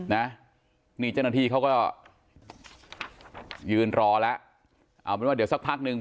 นะนี่เจ้าหน้าที่เขาก็ยืนรอแล้วเอาเป็นว่าเดี๋ยวสักพักนึง